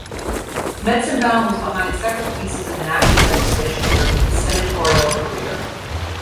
Metzenbaum was behind several pieces of enacted legislation during his senatorial career.